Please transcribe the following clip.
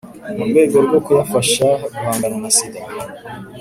mu rwego rwo kuyafasha guhangana na sida